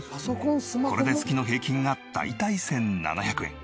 これで月の平均が大体１７００円。